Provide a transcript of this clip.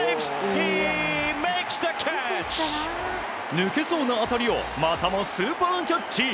抜けそうな当たりをまたもスーパーキャッチ！